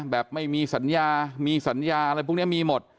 แบบไม่มีสัญญามีสัญญาอะไรพวกนี้มีหมด